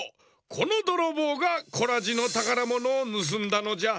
このどろぼうがコラジのたからものをぬすんだのじゃ。